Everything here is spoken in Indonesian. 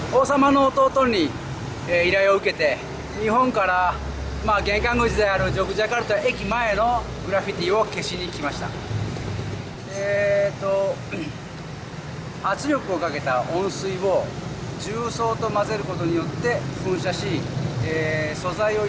kami menggunakan air panas yang berbentuk yang sangat ramah